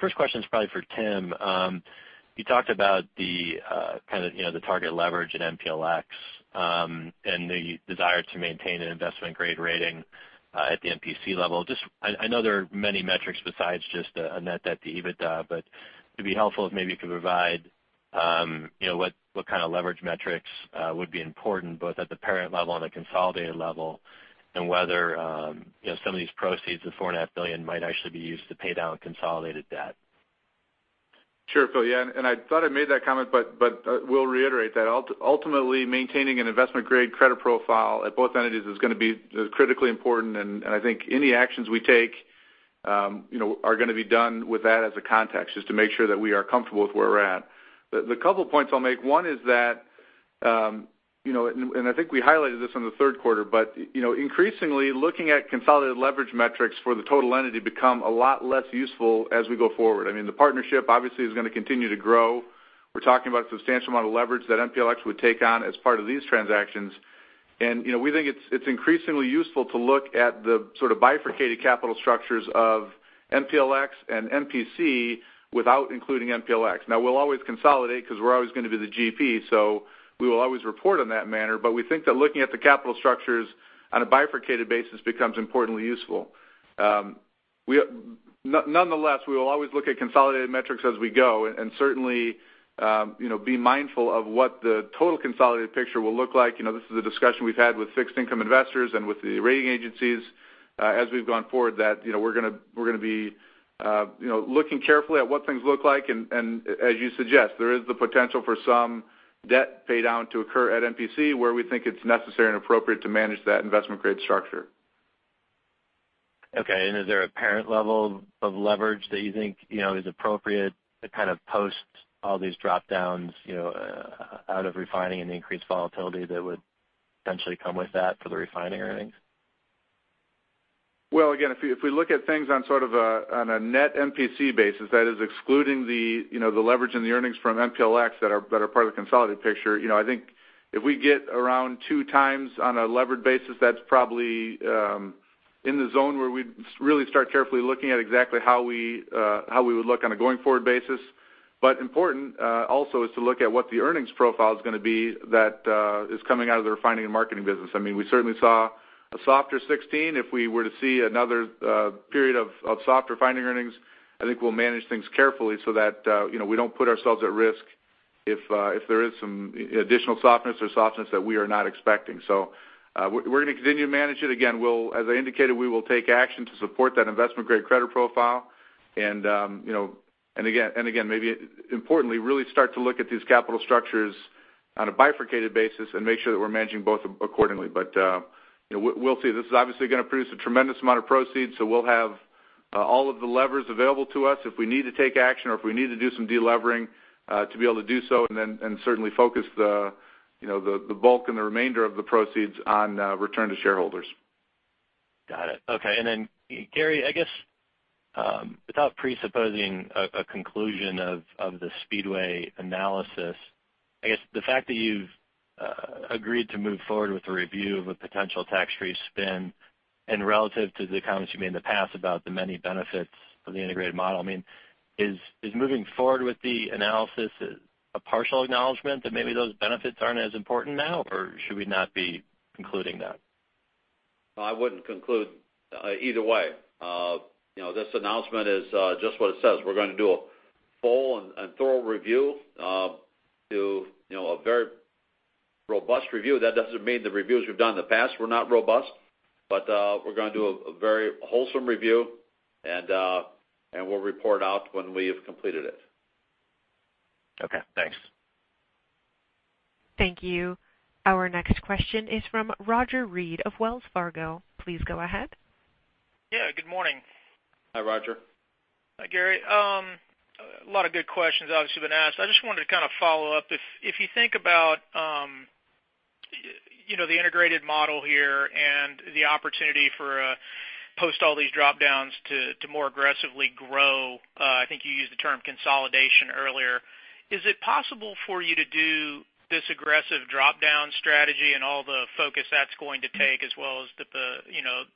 First question's probably for Tim. You talked about the target leverage at MPLX, and the desire to maintain an investment-grade rating at the MPC level. I know there are many metrics besides just a net debt to EBITDA, but it'd be helpful if maybe you could provide what kind of leverage metrics would be important, both at the parent level and the consolidated level, and whether some of these proceeds, the $4.5 billion, might actually be used to pay down consolidated debt. Sure, Phil. I thought I made that comment, but we'll reiterate that. Ultimately, maintaining an investment-grade credit profile at both entities is going to be critically important, and I think any actions we take are going to be done with that as a context, just to make sure that we are comfortable with where we're at. The couple points I'll make, one is that, I think we highlighted this on the third quarter, increasingly, looking at consolidated leverage metrics for the total entity become a lot less useful as we go forward. I mean, the partnership obviously is going to continue to grow. We're talking about a substantial amount of leverage that MPLX would take on as part of these transactions. We think it's increasingly useful to look at the sort of bifurcated capital structures of MPLX and MPC without including MPLX. Now, we'll always consolidate because we're always going to be the GP, we will always report in that manner. We think that looking at the capital structures on a bifurcated basis becomes importantly useful. Nonetheless, we will always look at consolidated metrics as we go and certainly be mindful of what the total consolidated picture will look like. This is a discussion we've had with fixed income investors and with the rating agencies as we've gone forward, that we're going to be looking carefully at what things look like. As you suggest, there is the potential for some debt paydown to occur at MPC, where we think it's necessary and appropriate to manage that investment-grade structure. Okay. Is there a parent level of leverage that you think is appropriate to kind of post all these drop-downs out of refining and the increased volatility that would potentially come with that for the refining earnings? Well, again, if we look at things on sort of a net MPC basis, that is excluding the leverage and the earnings from MPLX that are part of the consolidated picture. I think if we get around two times on a levered basis, that's probably in the zone where we'd really start carefully looking at exactly how we would look on a going-forward basis. Important also is to look at what the earnings profile is going to be that is coming out of the Refining & Marketing business. I mean, we certainly saw a softer 2016. If we were to see another period of soft refining earnings, I think we'll manage things carefully so that we don't put ourselves at risk if there is some additional softness or softness that we are not expecting. We're going to continue to manage it. Again, as I indicated, we will take action to support that investment-grade credit profile, again, maybe importantly, really start to look at these capital structures on a bifurcated basis and make sure that we're managing both accordingly. We'll see. This is obviously going to produce a tremendous amount of proceeds, we'll have all of the levers available to us if we need to take action or if we need to do some de-levering to be able to do so, certainly focus the bulk and the remainder of the proceeds on return to shareholders. Got it. Okay, Gary, I guess without presupposing a conclusion of the Speedway analysis, I guess the fact that you've agreed to move forward with the review of a potential tax-free spin and relative to the comments you made in the past about the many benefits of the integrated model, I mean, is moving forward with the analysis a partial acknowledgment that maybe those benefits aren't as important now, or should we not be concluding that? I wouldn't conclude either way. This announcement is just what it says. We're going to do a full and thorough review, a very robust review. That doesn't mean the reviews we've done in the past were not robust, but we're going to do a very wholesome review, and we'll report out when we have completed it. Okay, thanks. Thank you. Our next question is from Roger Read of Wells Fargo. Please go ahead. Yeah, good morning. Hi, Roger. Hi, Gary. A lot of good questions obviously been asked. I just wanted to kind of follow up. If you think about the integrated model here and the opportunity for post all these drop-downs to more aggressively grow, I think you used the term consolidation earlier. Is it possible for you to do this aggressive drop-down strategy and all the focus that's going to take as well as the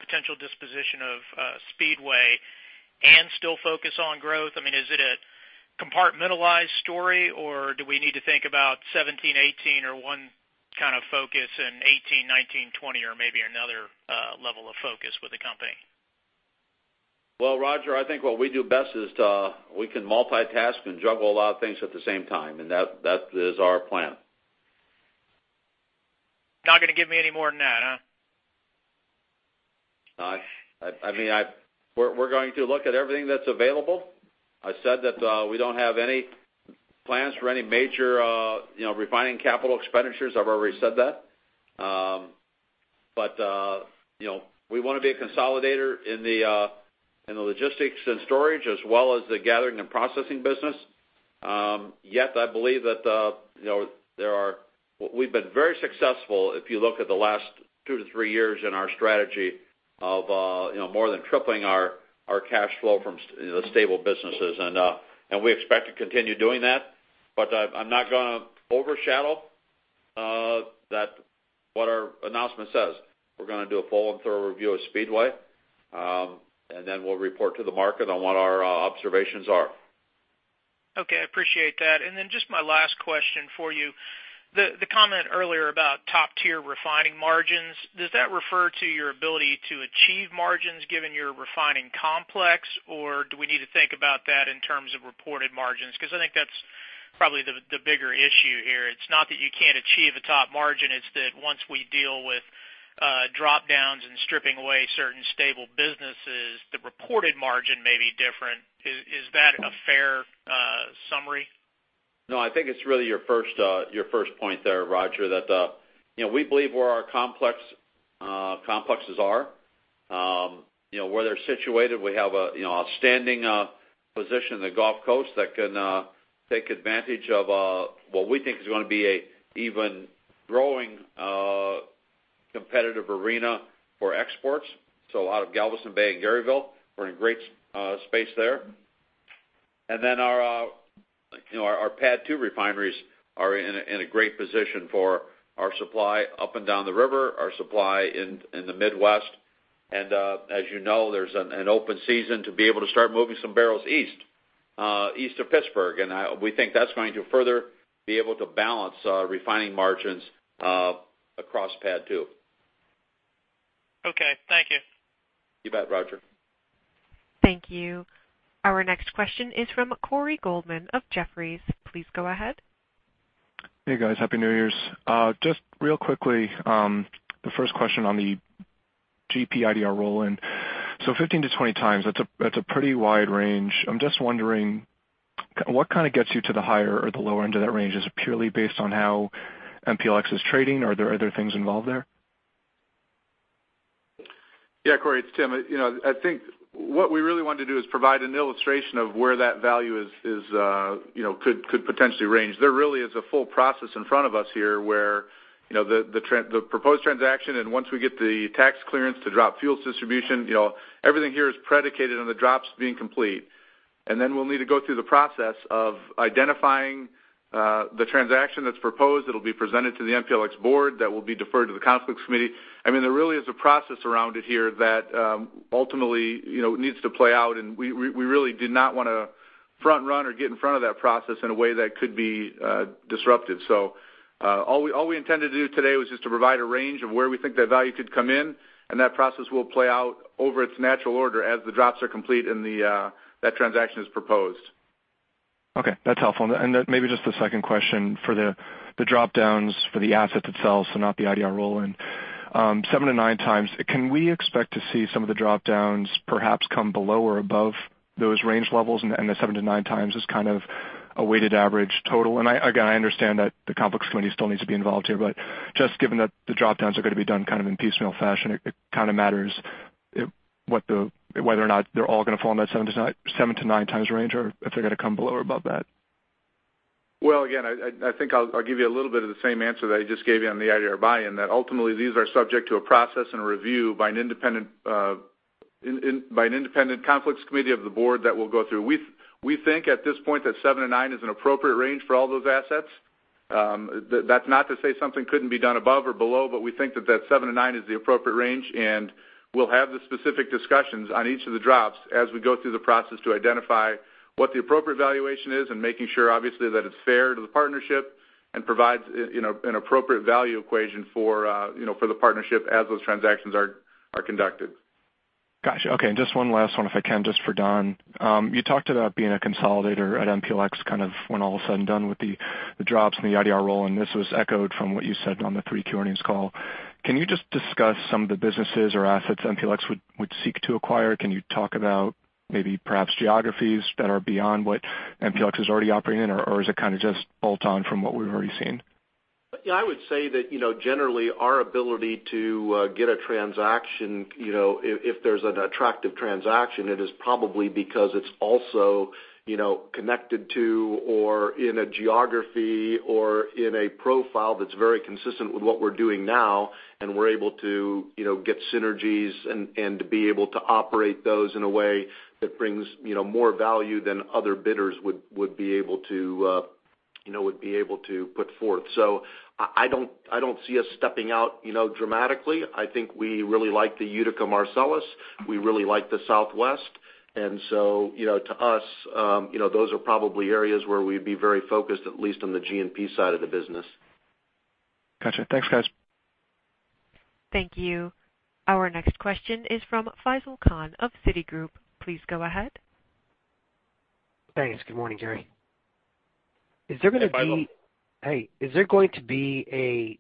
potential disposition of Speedway and still focus on growth? I mean, is it a compartmentalized story, or do we need to think about 2017, 2018 or one kind of focus and 2018, 2019, 2020, or maybe another level of focus with the company? Well, Roger, I think what we do best is we can multitask and juggle a lot of things at the same time, and that is our plan. Not gonna give me any more than that, huh? I mean, we're going to look at everything that's available. I said that we don't have any plans for any major refining capital expenditures. I've already said that. We want to be a consolidator in the Logistics & Storage as well as the Gathering & Processing business. I believe that we've been very successful, if you look at the last two to three years, in our strategy of more than tripling our cash flow from the stable businesses. We expect to continue doing that. I'm not going to overshadow what our announcement says. We're going to do a full and thorough review of Speedway, then we'll report to the market on what our observations are. Okay. I appreciate that. Then just my last question for you, the comment earlier about top-tier refining margins, does that refer to your ability to achieve margins given your refining complex? Do we need to think about that in terms of reported margins? I think that's probably the bigger issue here. It's not that you can't achieve a top margin, it's that once we deal with drop-downs and stripping away certain stable businesses, the reported margin may be different. Is that a fair summary? No, I think it's really your first point there, Roger, that we believe where our complexes are where they're situated. We have an outstanding position in the Gulf Coast that can take advantage of what we think is going to be an even growing competitive arena for exports. A lot of Galveston Bay and Garyville, we're in a great space there. Then our PADD 2 refineries are in a great position for our supply up and down the river, our supply in the Midwest. As you know, there's an open season to be able to start moving some barrels east of Pittsburgh, we think that's going to further be able to balance refining margins across PADD 2. Okay. Thank you. You bet, Roger. Thank you. Our next question is from Corey Goldman of Jefferies. Please go ahead. Hey, guys. Happy New Year's. Just real quickly, the first question on the GP IDR role. 15 to 20 times, that's a pretty wide range. I'm just wondering, what gets you to the higher or the lower end of that range? Is it purely based on how MPLX is trading, or are there other things involved there? Yeah, Corey, it's Tim. I think what we really wanted to do is provide an illustration of where that value could potentially range. There really is a full process in front of us here where the proposed transaction, once we get the tax clearance to drop fuels distribution, everything here is predicated on the drops being complete. Then we'll need to go through the process of identifying the transaction that's proposed. It'll be presented to the MPLX board that will be deferred to the Conflicts Committee. I mean, there really is a process around it here that ultimately needs to play out, we really did not want to front-run or get in front of that process in a way that could be disruptive. All we intended to do today was just to provide a range of where we think that value could come in, and that process will play out over its natural order as the drops are complete and that transaction is proposed. Okay. That's helpful. Then maybe just the second question for the drop-downs for the assets itself, so not the IDR role. Seven to nine times, can we expect to see some of the drop-downs perhaps come below or above those range levels? The seven to nine times is kind of a weighted average total. Again, I understand that the Conflicts Committee still needs to be involved here, but just given that the drop-downs are going to be done in piecemeal fashion, it kind of matters whether or not they're all going to fall in that seven to nine times range, or if they're going to come below or above that. Well, again, I think I'll give you a little bit of the same answer that I just gave you on the IDR buy-in, that ultimately these are subject to a process and a review by an independent Conflicts Committee of the board that we'll go through. We think at this point that seven to nine is an appropriate range for all those assets. That's not to say something couldn't be done above or below, but we think that seven to nine is the appropriate range. We'll have the specific discussions on each of the drops as we go through the process to identify what the appropriate valuation is and making sure, obviously, that it's fair to the partnership and provides an appropriate value equation for the partnership as those transactions are conducted. Got you. Okay, just one last one, if I can, just for Don. You talked about being a consolidator at MPLX kind of when all of a sudden done with the drops and the IDR role, and this was echoed from what you said on the 3Q earnings call. Can you just discuss some of the businesses or assets MPLX would seek to acquire? Can you talk about maybe perhaps geographies that are beyond what MPLX is already operating in, or is it kind of just bolt on from what we've already seen? Yeah, I would say that generally our ability to get a transaction, if there's an attractive transaction, it is probably because it's also connected to or in a geography or in a profile that's very consistent with what we're doing now, and we're able to get synergies and to be able to operate those in a way that brings more value than other bidders would be able to put forth. I don't see us stepping out dramatically. I think we really like the Utica Marcellus. We really like the Southwest. To us, those are probably areas where we'd be very focused, at least on the G&P side of the business. Got you. Thanks, guys. Thank you. Our next question is from Faisel Khan of Citigroup. Please go ahead. Thanks. Good morning, Gary. Hi, Michael. Hey. Is there going to be a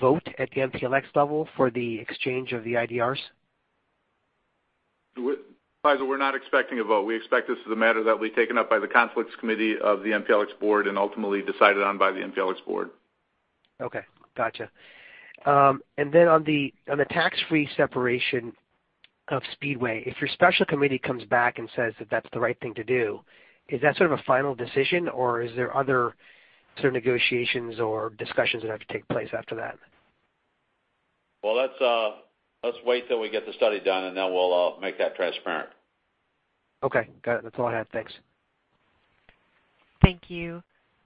vote at the MPLX level for the exchange of the IDRs? Faisel, we're not expecting a vote. We expect this is a matter that will be taken up by the Conflicts Committee of the MPLX board and ultimately decided on by the MPLX board. Okay. Gotcha. On the tax-free separation of Speedway, if your special committee comes back and says that that's the right thing to do, is that sort of a final decision or is there other sort of negotiations or discussions that have to take place after that? Well, let's wait till we get the study done, and then we'll make that transparent. Okay. Got it. That's all I had. Thanks. Thank you.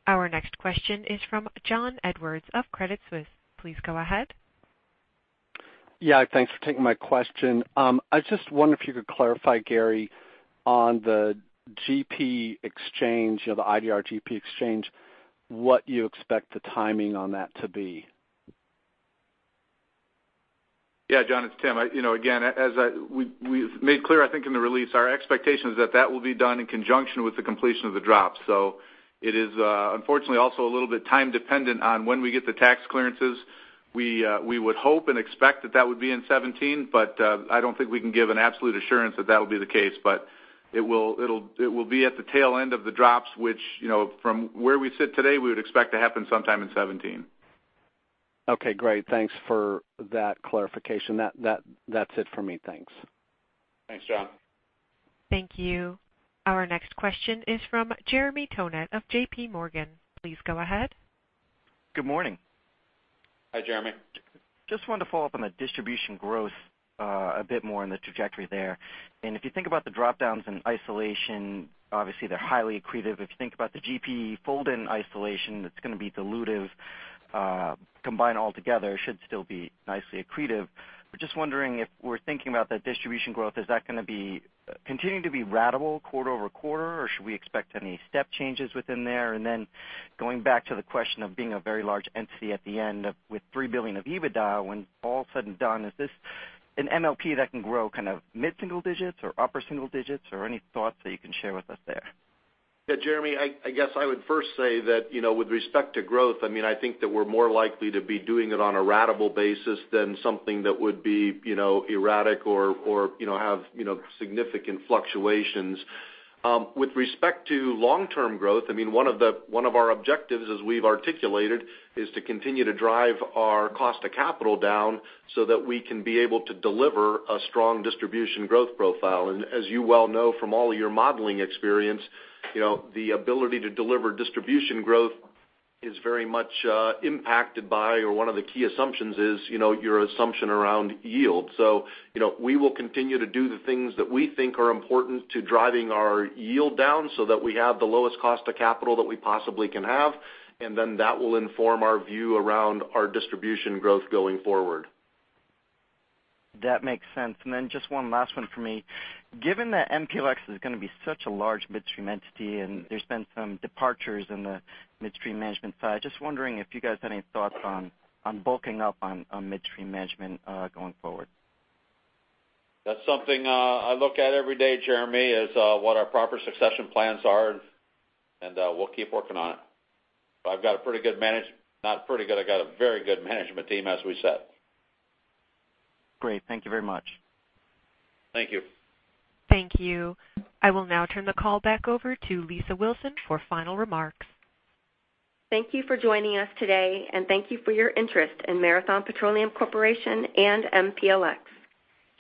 Our next question is from John Edwards of Credit Suisse. Please go ahead. Yeah, thanks for taking my question. I just wonder if you could clarify, Gary, on the GP exchange, the IDR GP exchange, what you expect the timing on that to be. Yeah, John, it's Tim. As we've made clear, I think, in the release, our expectation is that that will be done in conjunction with the completion of the drop. It is unfortunately also a little bit time-dependent on when we get the tax clearances. We would hope and expect that that would be in 2017, but I don't think we can give an absolute assurance that that'll be the case. It will be at the tail end of the drops, which from where we sit today, we would expect to happen sometime in 2017. Okay, great. Thanks for that clarification. That's it for me. Thanks. Thanks, John. Thank you. Our next question is from Jeremy Tonet of JP Morgan. Please go ahead. Good morning. Hi, Jeremy. Just wanted to follow up on the distribution growth a bit more on the trajectory there. If you think about the drop-downs in isolation, obviously they're highly accretive. If you think about the GP fold in isolation, it's going to be dilutive. Combined altogether, it should still be nicely accretive. Just wondering if we're thinking about that distribution growth, is that going to continue to be ratable quarter-over-quarter, or should we expect any step changes within there? Going back to the question of being a very large entity at the end with $3 billion of EBITDA, when all is said and done, is this an MLP that can grow kind of mid-single digits or upper single digits? Any thoughts that you can share with us there? Yeah, Jeremy, I guess I would first say that with respect to growth, I think that we're more likely to be doing it on a ratable basis than something that would be erratic or have significant fluctuations. With respect to long-term growth, one of our objectives, as we've articulated, is to continue to drive our cost of capital down so that we can be able to deliver a strong distribution growth profile. As you well know from all your modeling experience, the ability to deliver distribution growth is very much impacted by, or one of the key assumptions is, your assumption around yield. We will continue to do the things that we think are important to driving our yield down so that we have the lowest cost of capital that we possibly can have, and then that will inform our view around our distribution growth going forward. That makes sense. Just one last one from me. Given that MPLX is going to be such a large midstream entity and there's been some departures in the midstream management side, just wondering if you guys had any thoughts on bulking up on midstream management going forward. That's something I look at every day, Jeremy, is what our proper succession plans are. We'll keep working on it. I've got a very good management team, as we said. Great. Thank you very much. Thank you. Thank you. I will now turn the call back over to Lisa Wilson for final remarks. Thank you for joining us today, and thank you for your interest in Marathon Petroleum Corporation and MPLX.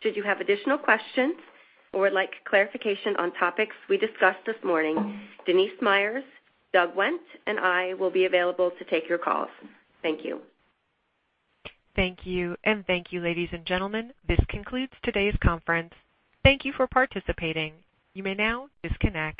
Should you have additional questions or would like clarification on topics we discussed this morning, Denise Myers, Doug Wendt, and I will be available to take your calls. Thank you. Thank you. Thank you, ladies and gentlemen. This concludes today's conference. Thank you for participating. You may now disconnect.